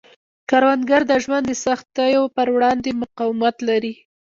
کروندګر د ژوند د سختیو پر وړاندې مقاومت لري